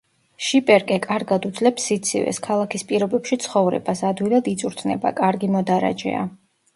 შიპერკე კარგად უძლებს სიცივეს, ქალაქის პირობებში ცხოვრებას, ადვილად იწვრთნება, კარგი მოდარაჯეა.